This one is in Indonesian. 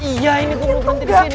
iya ini gue mau berhenti di sini